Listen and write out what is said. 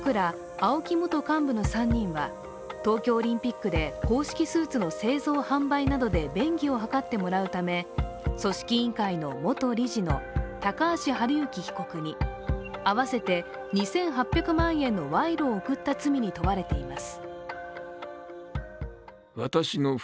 ＡＯＫＩ元幹部の３人は東京オリンピックで公式スーツの製造販売などで便宜を図ってもらうため組織委員会の元理事の高橋治之被告に、合わせて２８００万円の賄賂を贈った罪に問われています。